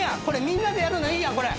みんなでやるのいいやんこれ。